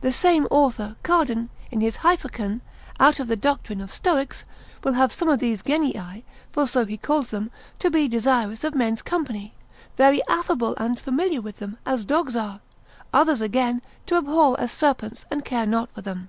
The same Author, Cardan, in his Hyperchen, out of the doctrine of Stoics, will have some of these genii (for so he calls them) to be desirous of men's company, very affable and familiar with them, as dogs are; others, again, to abhor as serpents, and care not for them.